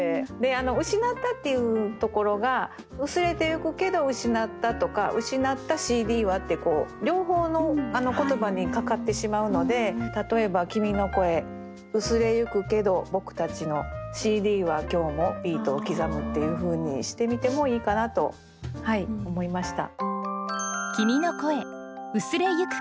「失った」っていうところが「薄れてゆくけど失った」とか「失ったＣＤは」って両方の言葉にかかってしまうので例えば「君の声薄れゆくけど僕たちのＣＤは今日もビートを刻む」っていうふうにしてみてもいいかなと思いました。